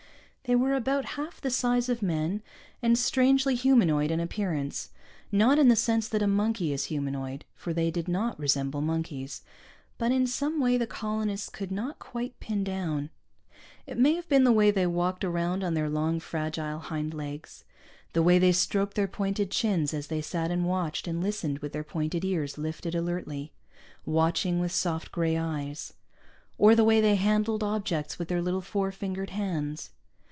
They were about half the size of men, and strangely humanoid in appearance, not in the sense that a monkey is humanoid (for they did not resemble monkeys) but in some way the colonists could not quite pin down. It may have been the way they walked around on their long, fragile hind legs, the way they stroked their pointed chins as they sat and watched and listened with their pointed ears lifted alertly, watching with soft gray eyes, or the way they handled objects with their little four fingered hands.